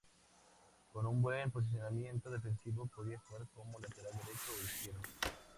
Con un buen posicionamiento defensivo, podía jugar como lateral derecho o izquierdo.